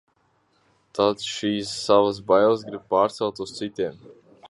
Tad šīs savas bailes grib pārcelt uz citiem.